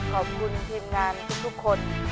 ขอบคุณทีมงานทุกคน